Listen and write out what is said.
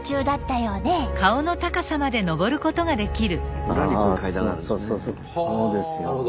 そうですよ。